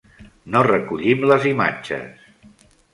No recollim les imatges.